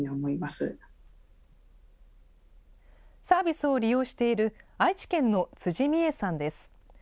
サービスを利用している愛知県の辻美惠さんです。